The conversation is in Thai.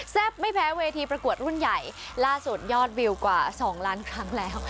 ไม่แพ้เวทีประกวดรุ่นใหญ่ล่าสุดยอดวิวกว่า๒ล้านครั้งแล้ว